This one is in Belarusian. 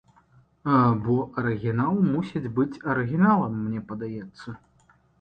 Бо арыгінал мусіць быць арыгіналам, мне падаецца.